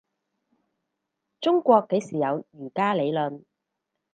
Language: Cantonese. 中國幾時有儒家倫理